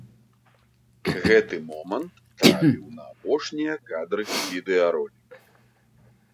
Гэты момант трапіў на апошнія кадры відэароліка.